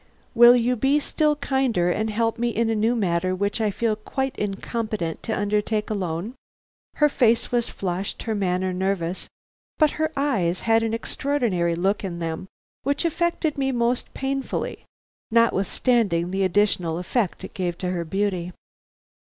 Will you be still kinder, and help me in a new matter which I feel quite incompetent to undertake alone?" Her face was flushed, her manner nervous, but her eyes had an extraordinary look in them which affected me most painfully, notwithstanding the additional effect it gave to her beauty.